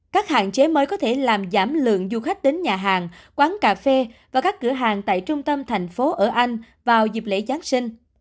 các hạn chế mới có thể làm giảm lượng du khách đến nhà hàng quán cà phê và các cửa hàng tại trung tâm thành phố ở anh vào dịp lễ giáng sinh